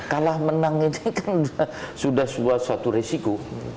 kalah menang ini kan sudah suatu resiko